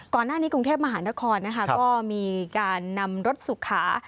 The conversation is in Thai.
ก่อนหน้านี้กรุงเทพมหานครนะคะก็มีการนำรถสุขา